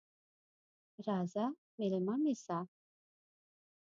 راځه مېلمه مې سه!